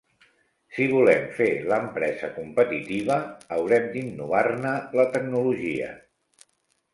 Si volem fer l'empresa competitiva, haurem d'innovar-ne la tecnologia.